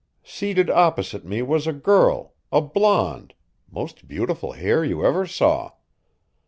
Seated opposite me was a girl a blonde most beautiful hair you ever saw.